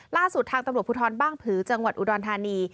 ล่าสุดทางตำรวจภูทรบ้างผือจังหวัดอุดรธานี